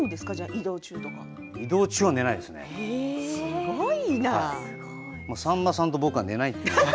移動中はさんまさんと僕は、寝ないと。